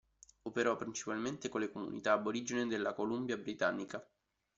Operò principalmente con le comunità aborigene della Columbia Britannica.